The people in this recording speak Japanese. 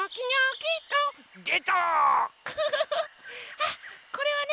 あこれはね